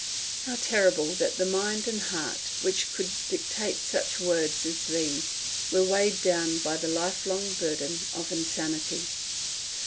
How terrible that the mind and heart which could dictate such words as these were weighed down by the lifelong burden of insanity!